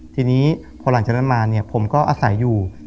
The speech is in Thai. ทีนี้พอหลังจากนั้นมาเนี่ยผมก็อาศัยอยู่